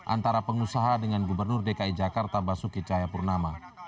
antara pengusaha dengan gubernur dki jakarta basuki cahayapurnama